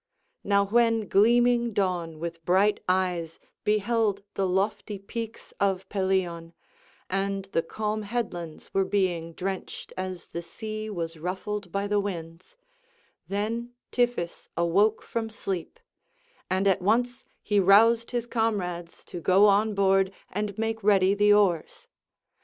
Now when gleaming dawn with bright eyes beheld the lofty peaks of Pelion, and the calm headlands were being drenched as the sea was ruffled by the winds, then Tiphys awoke from sleep; and at once he roused his comrades to go on board and make ready the oars.